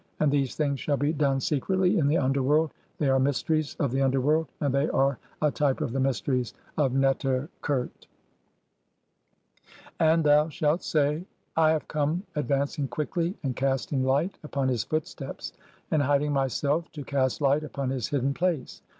AND THESE THINGS SHALL BE DONE SECRETLY IN THE UNDERWORLD, THEY ARE MYSTERIES OF THE UNDERWORLD, AND THEY ARE (39) A TYPE OF THE MYSTERIES OF NKTER KHERT. And thou shalt say :— "[I] have come advancing quickly "and casting light upon [his] footsteps, and hiding [myself] to "cast light upon his hidden place